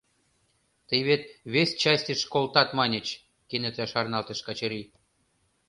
Тый вет вес частьыш колтат маньыч? — кенета шарналтыш Качырий.